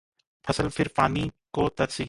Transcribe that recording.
फसल फिर पानी को तरसी